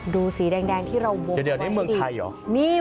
ดูสีแดงที่เรามุมไฟมาให้ดิ